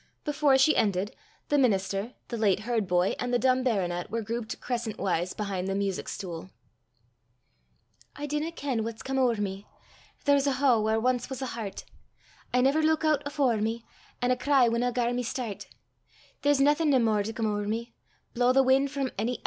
Before she ended, the minister, the late herd boy, and the dumb baronet were grouped crescent wise behind the music stool. I dinna ken what's come ower me! There's a how (hollow) whaur ance was a hert; I never luik oot afore me, An' a cry winna gar me stert; There's naething nae mair to come ower me, Blaw the win' frae ony airt.